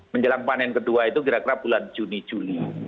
menjelang panen kedua itu kira kira bulan juni juli